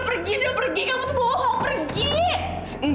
gak usah gr kamu dong